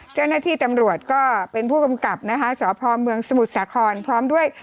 เจ้าหน้าที่ตำรวจก็เป็นผู้กำกับนะคะสพเมืองสมุทรสาครพร้อมด้วย